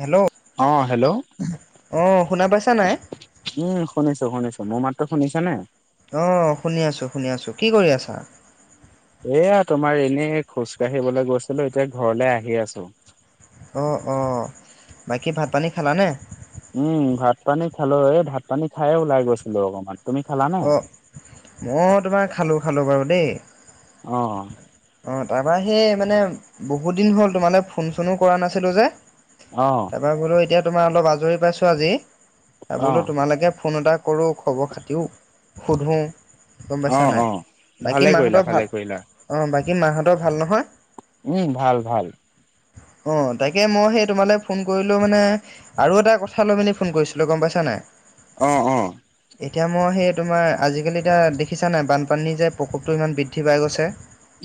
Hello! অ hello! অ শুনা পাইছা নাই? উম শুনিছো শুনিছো মোৰ মাততো শুনিছা নে? অ শুনি আছো শুনি আছো কি কৰি আছা এয়া তোমাৰ এনে খোজকাঢ়িবলৈ গৈছিলো এতিয়া ঘৰলে আহি আছো। অ অ বাকী ভাত পানী খালানে? উম ভাত পানী খালো এই ভাত পানী খাইয়ে ওলাই গৈছিলো অকমান। তুমি খালানে? অ মই তোমাৰ খালো খালো বাৰু দেই। অ অ তাৰপৰা সেই মানে বহুত দিন হ'ল তোমালে ফোন চোনো কৰা নাছিলো যে। অ তাক বোলো এতিয়া তোমাৰ অলপ আজৰি পাইছো আজি আৰু অ বোলো তোমালোকে ফোন এটা কৰো খবৰ খাতিও সোধো। গম অ পাইছা নাই অ ভালে বাকী কৰিলা মাহঁতৰ ভালে ভাল কৰিলা অ বাকী মাহঁতৰ ভাল নহয়। উম ভাল ভাল। অ তাকে মই সেইতো মানে ফোন কৰিলো মানে আৰু এটা কথ চালমিনী ফোন কৰিছিলোঁ গম পাইছা নাই? অঁ অঁ! এতিয়া মই সেপ তোমাৰ আজিকালি এতিয়া দেখিছা নাই বানপানী যে প্ৰকোপটো ইমান বৃদ্ধি পাই গৈছে।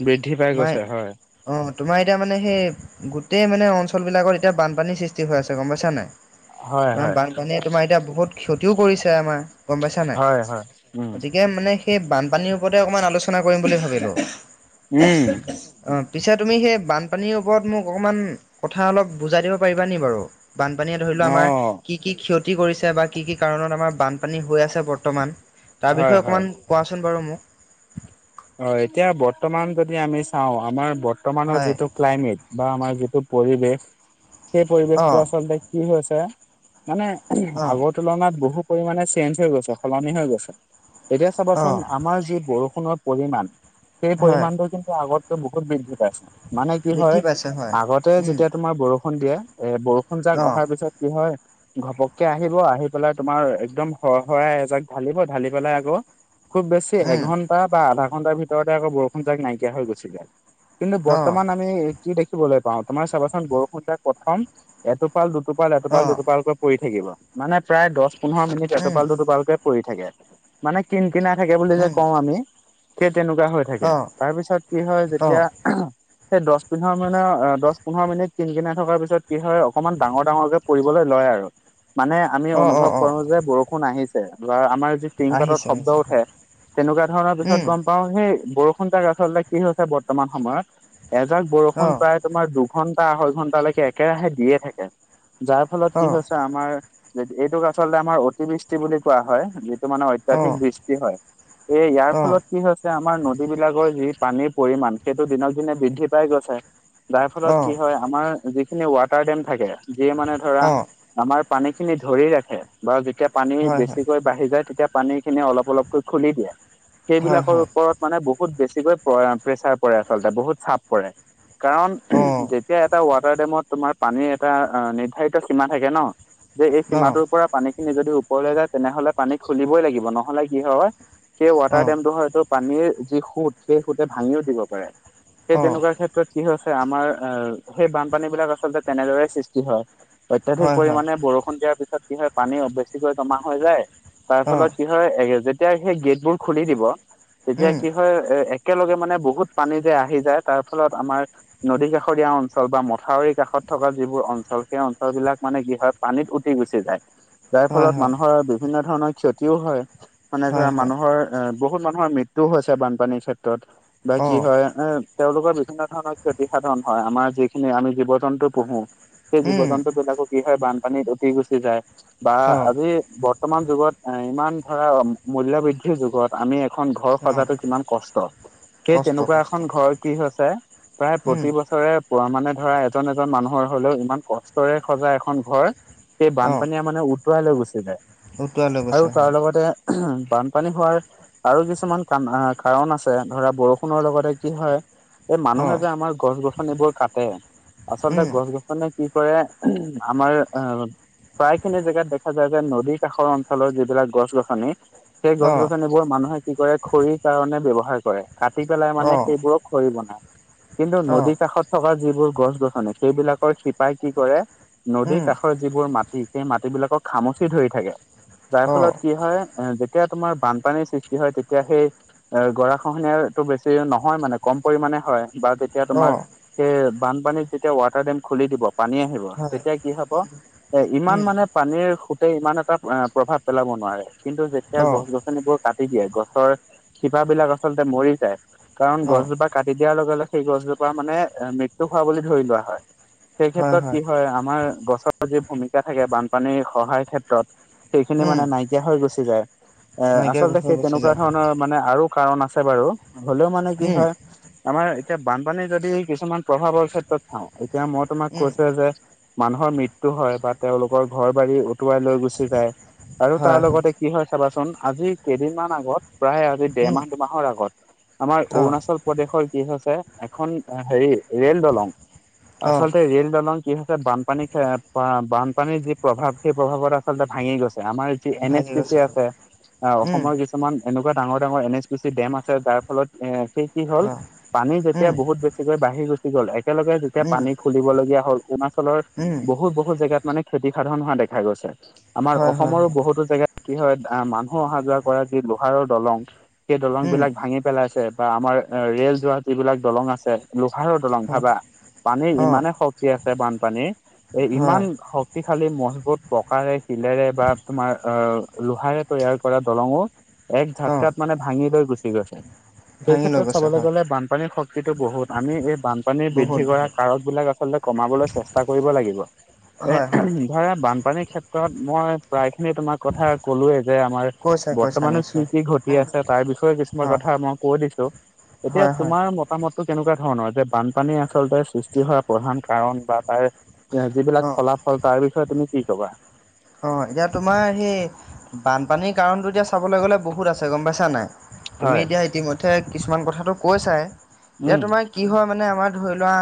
বৃদ্ধি পাই তোমাৰ গৈছে হয়। অঁ তোমাৰ এতিয়া মানে সেই গোটেই মানে অঞ্চল বিলাকত এতিয়া বানপানীৰ সৃষ্টি হৈ আছে গম পাইছা নাই? হয় তোমাৰ হয় বানপানীয়ে তোমাৰ এতিয়া বহুত ক্ষতিও কৰিছে আমাৰ, গম পাইছা নাই? হয়, উম। কে মানে সেই বানপানীৰ ওপৰতে অকমান আলোচনা কৰিম বুলি ভাবিলো? উম অ পিছে তুমি সেই বানপানীৰ ওপৰত মোক অকমান কথা অলপ বুজাই দিব পাৰিবা নি বাৰু? বানপানীয়ে ধৰি লোৱা অ আমাৰ কি কি ক্ষতি কৰিছে বা কি কি কাৰণত আমাৰ বানপানী হৈ আছে বৰ্তমান? তাৰ হয় বিষয়ে হয় অকণমান কোৱাচোন বাৰু মোক? হয় এতিয়া বৰ্তমান যদি আমি চাওঁ, আমাৰ বৰ্তমানৰ হয়। যিটো ক্লাইমেট বা আমাৰ যিটো পৰিৱেশ সেই পৰিৱেশটো অ', আচলতে কি হৈছে মানে উহু অ', আগত তুলনাত বহু পৰিমাণে চেঞ্জ হৈ গৈছে, সলনি হৈ গৈছে। এতিয়া চাবাচোন অ', আমাৰ যি বৰষুণৰ পৰিমাণ সেই হয়, পৰিমাণটো কিন্তু আগত বহুত বৃদ্ধি পাইছে মানে কি বৃদ্ধি হয় পাইছে হয়। আগতে উম, যেতিয়া তোমাৰ বৰ ষুণ দিয়ে, এ বৰষুণ যাক অ', অহাৰ পিছত কি হয় ঘপককে আহিব, আহি পেলাই তোমাৰ একদম শৰ-শৰাই এজাক ঢালিব ঢালি পেলাই আকৌ খুব বেছি উম, এঘন্টা বা আধা ঘণ্টাৰ ভিতৰতে আকৌ বৰষুণজাক নাইকিয়া হৈ গৈছিলে। কিন্তু অ', বৰ্তমান আমি এইটো দেখিবলৈ পাওঁ, তোমাৰ চাবাচোন বৰষুণ যাক প্ৰথম এটোপাল - দুটোপাল এটোপাল - অ', দুটোপালকৈ পৰি থাকিব, মানে প্ৰায় দহ পোন্ধৰ মিনিট উম, এটোপাল - দুটোপালকৈ পৰি থাকে, মানে কিন কিনাই থাকে বুলি যে উম, কওঁ আমি সেই তেনেকুৱা হৈ থাকে অ', তাৰ পিছত কি হয় অ', যেতিয়া আহাঁ সেই দচ পোন্ধৰ মিন অ দচ পোন্ধৰ মিনিট কিনকিন থকাৰ পিছত কি হয় অকনমান ডাঙৰ - ডাঙৰকে পৰিবলৈ লয় আৰু মানে আমি অ', অনুভৱ অ', অ', কৰো যে বৰষুণ আহিছে বা আমাৰ যি তিং পাতত আহিছে শব্দ আহিছে উঠে হয়, তেনেকুৱা ধৰণৰ দু উম, পাও সেই বৰষুনজাক আচলতে কি হৈছে বৰ্তমান সময়ত, এজাক বৰষুণ অ', প্ৰায় তোমাৰ দুঘন্টা আঢ়ৈ ঘণ্টালৈকে একেৰাহে দিয়ে থাকে যাৰ ফলত কি অ', হৈ তা আমাৰ এইটোক আচলতে আমাৰ অতিবৃষ্টি বুলি কোৱা হয় যি টো মানে অত্যাধিক অ', বৃষ্টি হয়, এই ইয়াৰ অ', ফলত কি হৈছে আমাৰ নদীবিলাকৰ যি পানীৰ পৰিমাণ সেইটো দিনক দিনে বৃদ্ধি পাই গৈছে যাৰ ফলত অ', কি হয় আমাৰ যিখিনি ৱাটাৰ ডেম থাকে সেই মানে ধৰা অ', আমাৰ পানীখিনি ধৰি ৰাখে, বাৰু যেতিয়া পানী হয়, হয়, বেছিকৈ বাঢ়ি যায় তেতিয়া পানীখিনি অলপ অলপকৈ খুলি দিয়ে। হয়, সেইবিলাকৰ হয়, ওপৰত মানে বহুত বেছিকৈ পৰা প্ৰেচাৰ পৰে আচলতে বহুত চাপ পৰে। কাৰণ অ', উহু যেতিয়া এটা ৱাটাৰ ডেমত তোমাৰ পানীৰ এটা আ নিৰ্ধাৰিত সীমা থাকে ন যে এই অ', সীমাটোৰ পৰা পানীখিনি যদি ওপৰলৈ যায় তেনেহলে পানী খুলিবই লাগিব নহলে কি হয় সেই ৱাটাৰ অ', ডেমটো হয়তো পানীৰ যি সুত সেই সুতে ভাঙিও দিব পাৰে সেই অ', তেনেকুৱা ক্ষে ত্ৰত কি হৈছে আমাৰ আহ সেই বানপানী বিলাক আচলতে তেনেদৰে সৃষ্টি হয়। অত্যাধিক হয়, হয়, পৰিমাণে বৰষুণ দিয়াৰ পিছত কি হয় পানী বেছিকৈ জমা হৈ যায় তাৰ অ', ফলত কি হয় যেতিয়া সেই গেটবোৰ খুলি দিব তেতিয়া উম, কি হয় এ একেলগে মানে বহুত পানী যে আহি যায় তাৰ ফলত আমাৰ নদী কাষৰীয়া অঞ্চল বা মথাউৰি কাষত থকা যিবোৰ অঞ্চল সেই অঞ্চল বিলাক মানে কি হয় পানীত উটি গুচি যায়। যাৰ হয়, ফলত হয়, মানুহৰ বিভিন্ন ধৰণৰ ক্ষতিও হয়, মানে হয়, ধৰা হয়, মানুহৰ এ বহুত মানুহৰ মৃত্যুও হৈছে বানপানীৰ ক্ষেত্ৰত বা কি অ', হয় এ তেওঁলোকৰ বিভিন্ন ধৰণৰ ক্ষতি সাধন হয়, আমাৰ যিখিনি আমি জীৱ-জন্তু পোহো সেই জীৱ উম, - জন্তুবিলাকো কি হয় বানপানীত উতি গুচি যায় বা অ', আজি ব তমান যুগত ইমান ধৰা মূল্য বৃদ্ধিৰ যুগত আমি এখন ঘৰ অ', সজাটো কিমান কষ্ট? সেই কষ্ট তেনেকুৱা কষ্ট, এখন ঘৰ কি হৈছে প্ৰায় উম, প্ৰতি বছৰে পোৱা মানে ধৰা এজন - এজন মানুহৰ হলেও ইমান কষ্টৰে সজা এখন ঘৰ সেই অ', বানপানীয়ে মানে উতুৱাই লৈ গুচি যায়, উটুৱাই লৈ গৈছে আৰু তাৰ হয়, লগতে উহু, বানপানী হোৱাৰ আৰু কিছুমান কান কাৰণ আছে ধৰা বৰষুণৰ লগতে কি হয় এই মানুহে অ', যে আমাৰ গছ - গছনিবোৰ কাটে, আচলতে উম, গছ- গছ মানে কি কৰে উহু আমাৰ আ' প্ৰায়খিনি জেগাত দেখা যায় যে নদী কাষৰ অঞ্চলৰ যিবিলাক গছ-গছনি সেই অ', গছ-গছনিবোৰ মানুহে কি কৰে খৰিৰ কাৰণে ব্যৱহাৰ কৰে কাটি পেলাই মানে অ', সেইবোৰক কৰি বনায় কিন্তু নদী অ', কাষত থকা যিবোৰ গছ-গছনি সেইবিলাকৰ শিপাই কি কৰে নদীৰ উম, কাষত যিবোৰ মাটি সেই মাটবিলাকক খামুচি ধৰি থাকে যাৰ ফলত অ', কি হয় এ যে তিয়া তোমাৰ বানপানীৰ সৃ কি হয় তেতিয়া সেই এ গৰাখহনীয়াটো বেছি নহয় মানে কম পৰিমাণে হয় বা বে তেতিয়া তোমাৰ অ', সেই বানপানীত যেতিয়া ৱাটাৰ ডেম খুলি দিব, পানী আহি ব হয়, তেতিয়া কি হব, এ ইমান উম, মানে পানীৰ সুতে ইমান এটা আ প্ৰভাৱ পেলাব নোৱাৰে, কিন্তু যেতিয়া গছ অ', -গছনিবোৰ কাটি দিয়ে, গছৰ শিপাবিলাক আচলতে মৰি যায়, কাৰণ অ', গছজোপাক কাটি দিয়াৰ লগে- লগে সেই গছজোপা মানে মৃত্যু হোৱা বুলি ধৰি লোৱা হয়। সেই ক্ষেত্ৰত কি হয় আমাৰ গছৰ যি ভূমিকা থাকে বানপানীৰ সহায় ক্ষেত্ৰত সেইখিনি উম, মানে নাইকিয়া হৈ গুচি যায়। নাইকিয়া হৈ চে গুচি তেনেকুৱা যায় হয়, ধৰণৰ মানে আৰু কাৰণ আছে বাৰু, হ'লেও মানে কি উম, হয় আমাৰ এতিয়া বানপানী যদি কিছুমান প্ৰভাৱৰ ক্ষেত্ৰত চাওঁ, এতিয়া মই তোমাক উম, কৈছো যে মানুহৰ মৃত্যু হয় বা তেওঁলোকৰ ঘৰ বাৰী উটুৱাই লৈ গুচি যায়, আৰু তাৰ লগতে কি হয় চাবাচোন, আজি কেইদিনমান আগত প্ৰায় আজি উম, দেৰমাহ দুমাহৰ আগত, আমাৰ অ', অৰুণাচল প্ৰদেশৰ কি হৈছে, এখন হেৰি ৰেল দলং অ', আচলতে ৰেল দলং কি হৈছে বান পানী সেই আ বা বানপানীৰ যি প্ৰভাৱ, সেই প্ৰভাৱত আচলতে ভাঙি গৈছে আমাৰ যি এন এছ ভাগি পি চি গৈছে হয়, আছে আৰু উম, অসমৰ কিছুমান এনেকুৱা ডাঙৰ-ডাঙৰ N S P C dam আছে যাৰ ফলত এ সেই কি হ'ল অ', পানী যেতিয়া উম, বহুত বেছিকৈ বাঢ়ি গুচি গ'ল, একেলগে যেতিয়া উম, পানী খুলিবলগীয়া হ'ল অৰুণাচলৰ উম, বহুত- বহুত জেগাত মানে ক্ষতি সাধন হোৱা দেখা গৈছে। আমাৰ হয়, হয়, অসমৰো হয়, বহুতো জেগাত কি হয় আ মানুহ অহা যোৱা কৰা যি লোহাৰৰ দলং সেই উম, দলংবিলাক ভাঙি পেলাইছে বা আমাৰ ৰেল যোৱা যিবিলাক দলং আছে, লোহাৰৰ দলং হয়, ভাবা? পানী অ', ইমানে শক্তি আছে বানপানীৰ এই হয়, ইমান শক্তিশালী মজবুত প্ৰকাৰে শিলেৰে বা তোমাৰ অ লোহাৰে তৈয়াৰ কৰা দলঙো এক অ', ঝাটকাত মানে ভাঙি লৈ গুচি গৈছে। সেই ভাঙি লৈ ক্ষেত্ৰত গৈছে চাবলৈ হয়, গ'লে বানপানীৰ শক্তিটো বহুত, আমি এই বানপানী বহুত বৃদ্ধি কৰা বহুত, কাৰকবিলাক আচলতে কমাবলৈ চেষ্টা কৰিব লাগিব, এ হয়, হয়, উহু ধৰা বানপানীৰ ক্ষেত্ৰত মই প্ৰায় খিনি তোমাৰ কথা ক'লোয়ে। যে আমাৰ কৈছা কৈছা বৰ্তমানো নিশ্চয়, কি- কি ঘটি উম, আছে তাৰ বিষয়ে কিছুমান অ', কথা মই কৈ দিছো। এতিয়া হয়, হয়, তোমাৰ মত তোমাৰ মতটো কেনেকুৱা ধৰণৰ যে বানপানী আচলতে সৃষ্টি হোৱা প্ৰধান কাৰণ বা তাৰ যিবিলাক অ', ফলাফল তাৰ বিষয়ে তুমি কি ক'বা? অ', এতিয়া তোমাৰ সেই বানপানীৰ কাৰণটো এতিয়া চাবলৈ গ'লে বহুত আছে গম পাইছা নাই? তুমি হয়। এতিয়া ইতিমধ্যে কিছুমান কথাটো কৈ চা এ, এতিয়া উম, তোমাক কি হয় মানে আমাৰ ধৰি লোৱা,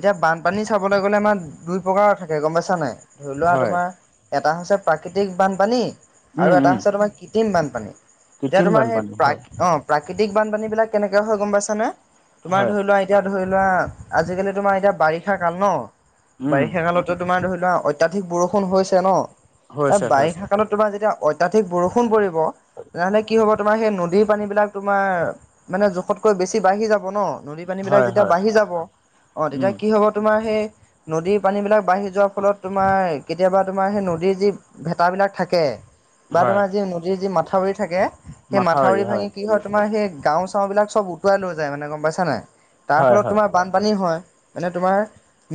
এতিয়া বানপানী চাবলৈ গ'লে আমাৰ দুই প্ৰকাৰৰ থাকে গম পাইছা নাই? ধৰি লোৱা হয়, তোমাৰ এটা হৈছে প্ৰাকৃতিক বানপানী, আৰু উম, এটা উম, হৈছে তোমাৰ কৃত্ৰিম বানপানী, এতিয়া কৃত্ৰিম তোমাৰ সেই বানপানী প্ৰাক, হয়, অ' প্ৰাকৃতিক বানপানী বিলাক কেনেকে হয় গম পাইছানে? তোমাৰ হয়, ধৰি লোৱা এতিয়া ধৰি লোৱা আজিকালি তোমাৰ এতিয়া বাৰিষা কাল ন? উম। বাৰিষা কালত ত তোমাৰ ধৰি লোৱা অত্যাধিক বৰষুণ হৈছে ন? হৈছে, হৈছে, বাৰিষা কালত তোমাৰ যেতিয়া অত্যাধিক বৰষুণ পৰিব, তেনেহ'লে কি হ'ব? তোমাৰ সেই নদীৰ পানী বিলাক তোমাৰ মানে জোখতকৈ বেছি বাঢ়ি যাব ন? নদী পানী বিলাক হয়, যেতিয়া হয়, বাঢ়ি যাব। অ', তেতিয়া উম, কি হ'ব তোমাৰ সেই নদীৰ পানী বিলাক আগবাঢ়ি যোৱাৰ ফলত তোমাৰ কেতিয়াবা তোমাৰ সেই নদীৰ যি ভেতাবিলাক থাকে বা হয়, তোমাৰ যি নদীৰ যি মাথাউৰি থাকে, সেই মাথাউৰি ভাঙি কি হয় তোমাৰ সেই গাওঁ চাওঁ বিলাক চব উটুৱাই লৈ যায় মানে গম পাইছা নাই? তাৰ হয়, ফলত হয়, তোমাৰ বানপানী হয়, মানে তোমাৰ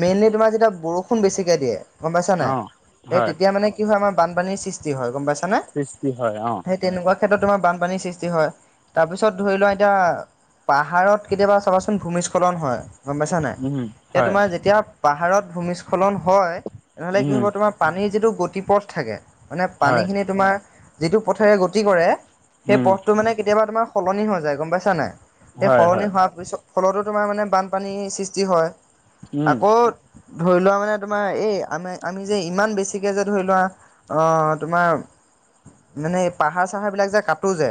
মেইনলি তোমাৰ যেতিয়া বৰষুণ বেছিকে দিয়ে গম পাইছা নাই, অ', এই হয়, তেতিয়া মানে কি হয় আমাৰ বানপানীৰ সৃষ্টি হয় গম পাইছানে? সৃষ্টি হয় অ'। সেই তেনেকুৱা ক্ষেত্ৰত তোমাৰ বানপানীৰ সৃষ্টি হয়, তাৰপিছত ধৰি লোৱা এতিয়া পাহাৰত কেতিয়াবা চাবাচোন ভূমিস্খলন হয়। গম পাইছা নাই? উম, এতিয়া হয়, তোমাৰ যেতিয়া পাহাৰত ভূমিস্খলন হয়, তেনেহ'লে কি উম, হ'ব তোমাৰ পানীৰ যিটো গতি পথ থাকে। মানে হয়, পানীখিনি তোমাৰ যিটো পথেৰে গতি কৰে সেই উম, পথটো মানে কেতিয়াবা তোমাৰ সলনি হৈ যায় গম পাইছা নাই? সেই হয়, সলনি হয়, হোৱাৰ পিছত ফলতো তোমাৰ মানে বানপানীৰ সৃষ্টি হয়, উম, আকৌ ধৰি লোৱা মানে তোমাৰ এই আমি-আমি যে ইমান বেছিকে যে ধৰি লোৱা অ, তোমাৰ মানে পাহাৰ চাহাৰ বিলাক যে কাটো যে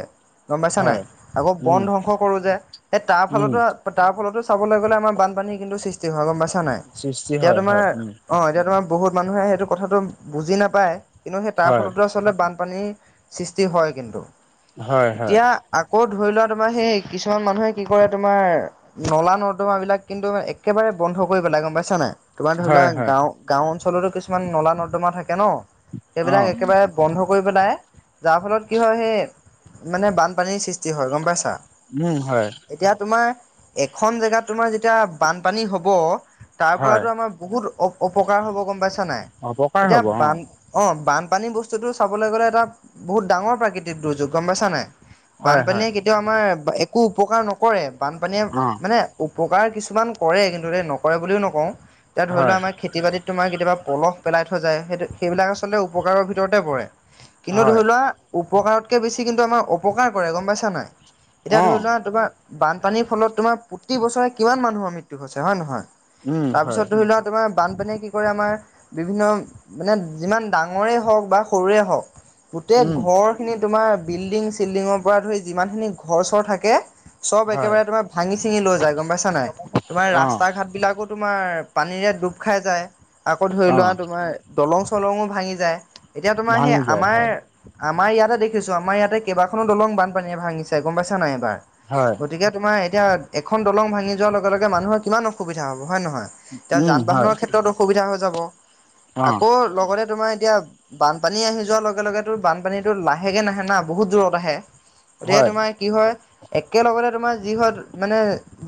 গম পাইছা নাই? হয়, আকৌ বন উম, ধ্বংস কৰোঁ যে, সেই উম, তাৰফালতো তাৰ ফলতো চাবলৈ গ'লে আমাৰ বানপানী কিন্তু সৃষ্টি হয় গম পাইছা নাই? সৃষ্টি এতিয়া হয়, তোমাৰ হয়, উম, অ', এতিয়া তোমাৰ বহুত মানুহে সেইটো কথাটো বুজি নাপায়, কিন্তু সেই তাৰ হয়, ফলতো আচলতে বানপানীৰ সৃষ্টি হয় কিন্তু। হয়, হয়, এতিয়া আকৌ ধৰি লোৱা তোমাৰ সেই কিছুমান মানুহে কি কৰে তোমাৰ নলা নৰ্দুমা বিলাক কিন্তু মানে একেবাৰে বন্ধ কৰিব পেলাই গম পাইছা নাই? তোমাৰ ধৰি হয়, লোৱা হয়। গাঁও-গাঁও অঞ্চলতো কিছুমান নলা নৰ্দমা থাকে ন? সেইবিলাক অ', একেবাৰে বন্ধ কৰি পেলাই, যাৰ ফলত কি হয় সেই মানে বানপানীৰ সৃষ্টি হয় গম পাইছা? উম, হয়। এতিয়া তোমাৰ এখন জেগাত তোমাৰ যেতিয়া বানপানী হব তাৰ হয়, পৰাতো আমাৰ বহুত অ অপকাৰ হ'ব গম পাইছা নাই? অপকাৰ এতিয়া হ'ব অ', বান অ', বানপানী বস্তুতটো চাবলৈ গ'লে এটা বহুত ডাঙৰ প্ৰাকৃতিক দুৰ্যোগ গম পাইছা নাই? হয়, হয়, বানপানীয়ে কেতিয়াও আমাৰ একো উপকাৰ নকৰে, বানপানীয়ে অ', মানে উপকাৰ কিছুমান কৰে কিন্তু ডেই নকৰে বুলিও নকওঁ। এতিয়া ধৰি লোৱা হয়, আমাৰ খেতি খেতি বাতিত তোমাৰ কেতিয়াবা পলহ পেলাই থৈ যায়, সেইটো সেইবিলাক আচলতে উপকাৰৰ ভিতৰতে পৰে। কিন্তু হয়, ধৰি লোৱা উপকাৰতকে বেছি কিন্তু আমাৰ অপকাৰ কৰে গম পাইছা নাই? এতিয়া ধৰি অ', লোৱা তোমাৰ বানপানীৰ ফলত তোমাৰ প্ৰতি বছৰে কিমান মানুহৰ মৃত্যু হৈছে হয় নে নহয়? উম, হয়, তাৰপিছত ধৰি লোৱা তোমাৰ বানপানীয়ে কি কৰে আমাৰ বিভিন্ন মানে যিমান ডাঙৰে হওঁক বা সৰুৰে হওঁক, গোটেই উম, ঘৰ খিনি তোমাৰ বিল্ডিং চিল্ডিঙৰ পৰা ধৰি যিমানখিনি ঘৰ চৰ থাকে চব হয়, একেবাৰে তোমাৰ ভাঙি চিঙি লৈ যায় গম পাইছা নাই? তোমাৰ ৰাস্তা অ', ঘাট বিলাকো তোমাৰ পানীৰে ডুব খাই যায় আকৌ ধৰি লোৱা অ', তোমাৰ দলং চলংঙো ভাঙি যায় এতিয়া তোমাৰ সেই ভাঙি যায় আমাৰ হয়, আমাৰ ইয়াতে দেখিছো আমাৰ ইয়াতে কেইবাখনো দলং বানপানীয়ে ভাঙিছে গম পাইছা নাই এবাৰ হয় গতিকে তোমাৰ এতিয়া এখন দলং ভাঙি যোৱাৰ লগে লগে মানুহৰ কিমান অসুবিধা হ'ব হয় নহয় এতিয়া উম, যান হয়, বাহনৰ ক্ষেত্ৰত অসুবিধা হৈ যাব অ', আকৌ লগতে তোমাৰ এতিয়া বানপানী আহি যোৱাৰ লগে লগেতো বানপানীতো লাহেকে নাহে না বহুত দূৰত আহে গতিকে হয়, তোমাৰ কি হয় একেলগতে তোমাৰ যি হয় মানে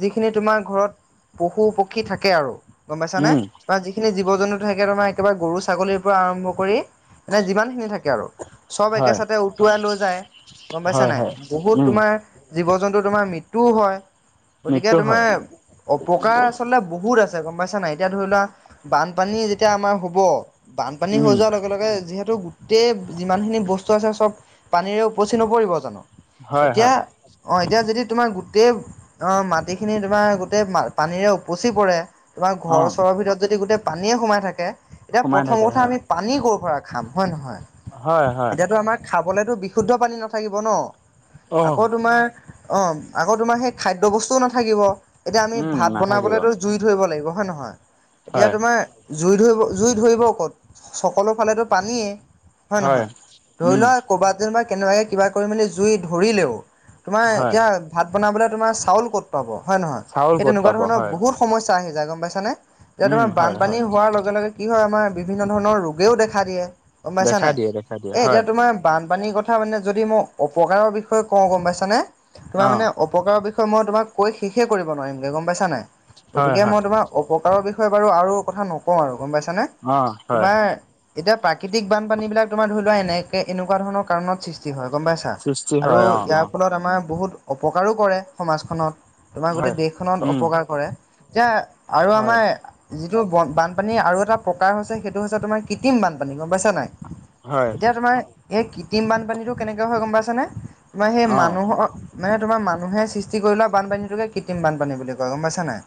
যিখিনি তোমাৰ ঘৰত পশু পক্ষী থাকে আৰু গম পাইছানে উম, তোমাৰ যিখিনি জীৱ জন্তু থাকে তোমাৰ একবাৰে গৰু ছাগলীৰ পৰা আৰম্ভ কৰি এনে যিমান খিনি থাকে আৰু চব হয়, একেচাতে উটুৱাই লৈ যায় গম পাইছা হয়, নাই হয়, বহুত উম, তোমাৰ জীৱ জন্তু তোমাৰ মৃত্যুও হয় গতিকে মৃত্যু তোমাৰ হয়, অপকাৰ আচলতে বহুত আছে গম পাইছা নাই এতিয়া ধৰি লোৱা বানপানী যেতিয়া আমাৰ হ'ব বানপানী হৈ উম, যোৱাৰ লগ লগে লগে যিহেতু গোটেই যিমানখিনি বস্তু আছে চব পানীৰে উপচি নপৰিব জানো হয়, এতিয়া হয়, অ এতিয়া যদি তোমাৰ গোটেই অ মাটিখিনি তোমাৰ গোটেই পানীৰে উপচি পৰে তোমাৰ ঘৰ অ', চৰৰ ভিতৰত যদি গোটেই পানীয়ে সোমাই থাকে তেতিয়া সোমাই প্ৰথম থাকে কথা হয়, আমি পানী কৰ পৰা খাম হয় নহয় হয়, হয়, এতিয়াতো আমাক খাবলেতো বিশুদ্ধ পানী নাথাকিব ন অ', আকৌ তোমাৰ অ আকৌ তোমাৰ সেই খাদ্য বস্তুও নাথাকিব এতিয়া আমি উম, ভাত নাথাকিব বনাবলৈতো জুই ধৰিব লাগিব, হয় নহয় এতিয়া হয়, তোমাৰ জুই ধৰিব জুই ধৰিব ক'ত সকলো ফালেতো পানীয়ে হয় নহয়, ধৰি উম, লোৱা কৰ'বাত যেনিবা কেনেবাকে কিবা কৰি মেলি জুই ধৰিলেও তোমাৰ হয়, এতিয়া ভাত বনাবলৈ তোমাৰ চাউল ক'ত পাব হয় নহয়, চাউল সেই ক'ত তেনেকোৱা পাব ধৰণৰ হয়, বহুত সমস্যা আহি যায় গম পাইছানে। এতিয়া উম, তোমাৰ হয়, বানপানী হয়, হোৱাৰ লগে লগে কি হয় আমাৰ বিভিন্ন ধৰণৰ ৰোগেও দেখা দিয়ে। গম পাইছা দেখাই নাই দিয়ে, দেখাই দিয়ে এ এতিয়া হয়, তোমাৰ বানপানীৰ ক থা মানে যদি ম অপকাৰৰ বিষয়ে কও গম পাইছানে তোমাৰ অ', মানে অপকাৰৰ বিষয়ে মই তোমাক কৈ শেষে কৰিব নোৱাৰিমগৈ গম পাইছা নাই হয় গতিকে হয় মই তোমাক অপকাৰৰ বিষয়ে বাৰু আৰু কথা নকও আৰু গম পাইছানে, অ হয় তোমাৰ এতিয়া প্ৰাকৃতিক বানপানী বিলাক তোমাৰ ধৰি লোৱা এনেকে এনেকোৱ ধৰণৰ কাৰণত সৃ ষ্টি হয় গম পাইছা সৃষ্টি আৰু হয় অ অ ইয়াৰ ফলত আমাৰ বহুত অপকাৰো কৰে সমাজখনত। তোমাৰ গোটেই হয় দেশখনত উম অপকাৰ কৰে এতিয়া আৰু হয় আমাৰ যিটো বানপানীৰ আৰু এটা প্ৰকাৰ হৈছে সেইটো হৈছে তোমাৰ কৃত্ৰিম বানপানী গম পাইছা নাই? হয় এতিয়া তোমাৰ এই কৃত্ৰিম বানপানীটো কেনেকে হয় গম পাইছানে, তোমাৰ সেই অ মানুহৰ মানে তোমাৰ মানুহে সৃষ্টি কৰি লোৱা বানপানীটোকে কৃত্ৰিম বানপানী বুলি কয় গম পাইছা নাই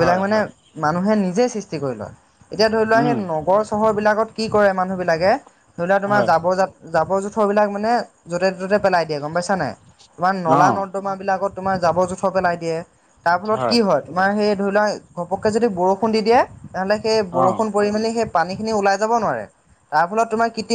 হয় মানে হয় মানুহে নিজে সৃষ্টি কৰি লয়। এতিয়া ধৰি লোৱা সেই উম নগৰ চহৰবিলাকত কি কৰে মানুহবিলাকে ধৰি লোৱা তোমাৰ হয় জাবৰ যাত জাবৰ জোথৰ বিলাক মানে য'তে ত'তে পেলাই দিয়ে গম পাইছা নাই, তোমাৰ অ নলা ন ৰ্দমা বিলাকত তোমাৰ জাবৰ জোথৰ পেলাই দিয়ে তাৰ ফলত কি হয়? তোমাৰ সেই ধৰি লোৱা ঘপককে যদি বৰষুণ দি দিয়ে তেনেহলে সেই বৰ অ কৰি মেলি হেই পানী ওলাই যাব নোৱাৰে তাৰ ফলত তোমৰ কৃত্ৰিম